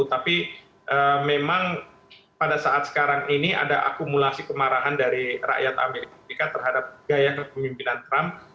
tapi memang pada saat sekarang ini ada akumulasi kemarahan dari rakyat amerika terhadap gaya kepemimpinan trump